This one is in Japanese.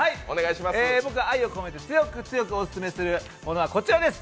僕が愛を込めて強く強くおすすめするものはこちらです。